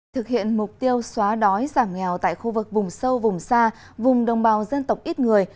thực hiện mục tiêu xóa đói giảm nghèo tại khu vực vùng sâu vùng xa vùng đồng bào dân tộc ít người